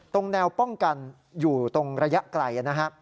ตรงแนวป้องกันอยู่ตรงระยะไกล